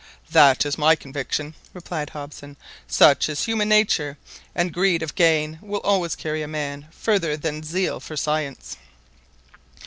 "That is my conviction," replied Hobson. " Such is human nature, and greed of gain will always carry a man further than zeal for science."